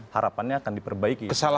harapannya akan diperbaiki